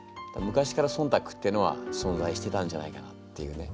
昔から「忖度」っていうのはそんざいしてたんじゃないかなっていうね。